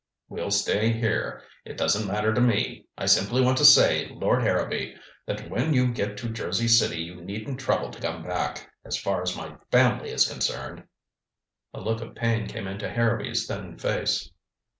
"We'll stay here. It doesn't matter to me. I simply want to say, Lord Harrowby, that when you get to Jersey City you needn't trouble to come back, as far as my family is concerned." A look of pain came into Harrowby's thin face.